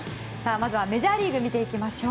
まずはメジャーリーグ見ていきましょう。